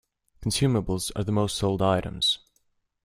Consumables are the most sold items.